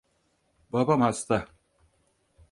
Babam hasta.